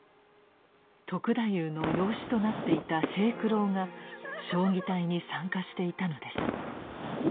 篤太夫の養子となっていた平九郎が彰義隊に参加していたのです。